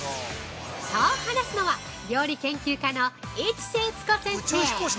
◆そう話すのは料理研究家の市瀬悦子先生。